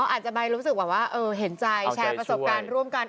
อาจจะไปรู้สึกแบบว่าเห็นใจแชร์ประสบการณ์ร่วมกัน